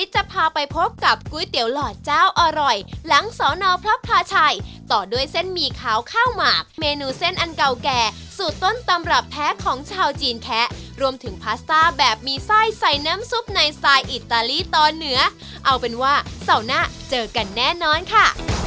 จะพาไปพบกับก๋วยเตี๋ยวหลอดเจ้าอร่อยหลังสอนอพระพลาชัยต่อด้วยเส้นหมี่ขาวข้าวหมากเมนูเส้นอันเก่าแก่สูตรต้นตำรับแท้ของชาวจีนแคะรวมถึงพาสต้าแบบมีไส้ใส่น้ำซุปในสไตล์อิตาลีตอนเหนือเอาเป็นว่าเสาร์หน้าเจอกันแน่นอนค่ะ